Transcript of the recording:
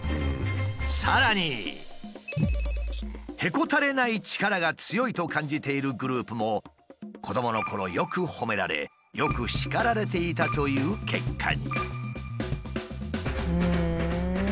さらにへこたれない力が強いと感じているグループも子どものころよくほめられよく叱られていたという結果に。